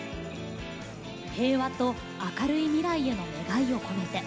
平和と明るい未来への願いを込めて。